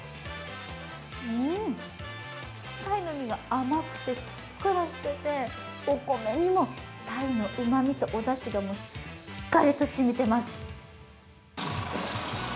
タイの身が甘くて、ふっくらしていて、お米にもタイのうまみとお出しが、しっかりとしみてます。